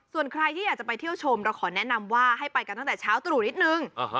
ส่วนใครที่อยากจะไปเที่ยวชมเราขอแนะนำว่าให้ไปกันตั้งแต่เช้าตรู่นิดนึง